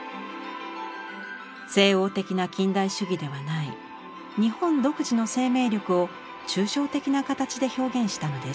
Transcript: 西欧的な近代主義ではない日本独自の生命力を抽象的な形で表現したのです。